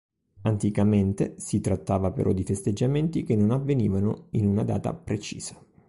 Anticamente, si trattava però di festeggiamenti che non avvenivano in una data precisa.